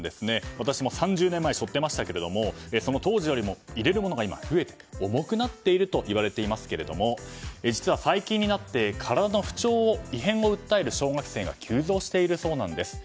私も３０年前背負っていましたけれどもその当時よりも入れるものが増えて重くなっているといわれていますが実は最近になって体の不調や異変を訴える小学生が急増しているそうなんです。